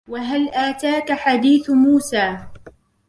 وَهَلْ أَتَاكَ حَدِيثُ مُوسَى